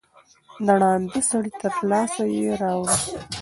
د ړانده سړي تر لاسه یې راوړی